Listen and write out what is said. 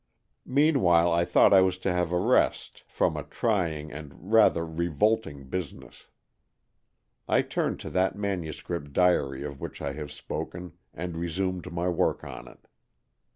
Meanwhile I thought I was to have a rest from a trying 208 AN EXCHANGE OF SOULS and rather revolting business. I turned to that manuscript diary of which I have spoken, and resumed my work on it.